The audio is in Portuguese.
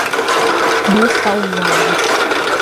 Descalvado